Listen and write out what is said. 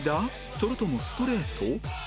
それともストレート？